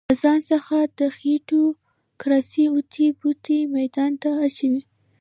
له ځان څخه د خېټوکراسۍ اوتې بوتې ميدان ته اچوي.